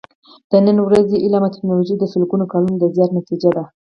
د نننۍ ورځې علم او ټېکنالوجي د سلګونو کالونو د زیار نتیجه ده.